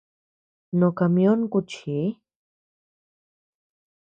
No camión kuchi.